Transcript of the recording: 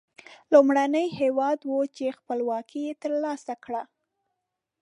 لومړنی هېواد و چې خپلواکي تر لاسه کړه.